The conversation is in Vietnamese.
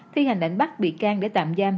thi hành lãnh bắt bị can để tạm giam